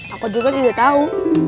aku juga tidak tahu